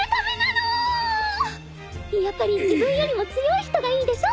やっぱり自分よりも強い人がいいでしょ？